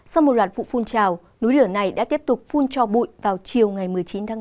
sau một loạt vụ phun trào núi lửa này đã tiếp tục phun cho bụi vào chiều ngày một mươi chín tháng bốn